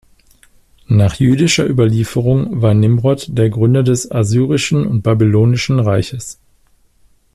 Nach jüdischer Überlieferung war Nimrod der Gründer des assyrischen und babylonischen Reiches.